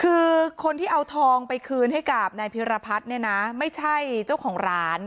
คือคนที่เอาทองไปคืนให้กับนายพิรพัฒน์เนี่ยนะไม่ใช่เจ้าของร้าน